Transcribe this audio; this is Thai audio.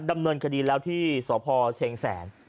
ดำเนินคดีแล้วที่สพเชียงแสน